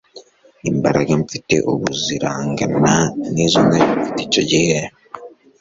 imbaraga mfite ubu zirangana n'izo nari mfite icyo gihe